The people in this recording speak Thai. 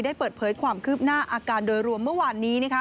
เปิดเผยความคืบหน้าอาการโดยรวมเมื่อวานนี้